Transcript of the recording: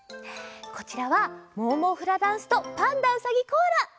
こちらは「モウモウフラダンス」と「パンダうさぎコアラ」！